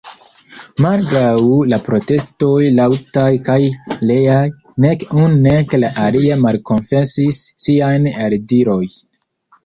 Malgraŭ la protestoj laŭtaj kaj reaj, nek unu nek la alia malkonfesis siajn eldirojn.